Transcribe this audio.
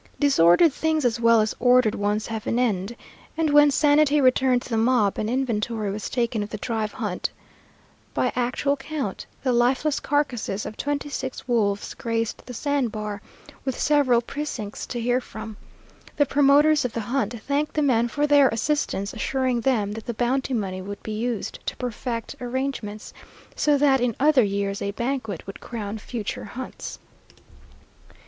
Disordered things as well as ordered ones have an end, and when sanity returned to the mob an inventory was taken of the drive hunt. By actual count, the lifeless carcases of twenty six wolves graced the sand bar, with several precincts to hear from. The promoters of the hunt thanked the men for their assistance, assuring them that the bounty money would be used to perfect arrangements, so that in other years a banquet would crown future hunts.